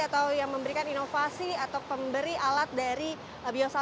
atau yang memberikan inovasi atau pemberi alat dari biosa